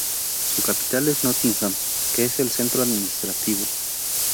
Su capital es Nottingham, que es el centro administrativo.